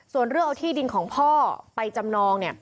ส่วนเรื่องเอาที่ดินของพ่อไปจำนอง